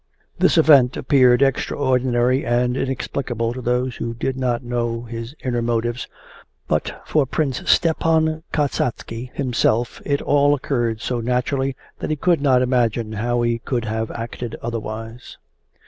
This event appeared extraordinary and inexplicable to those who did not know his inner motives, but for Prince Stepan Kasatsky himself it all occurred so naturally that he could not imagine how he could have acted otherwise.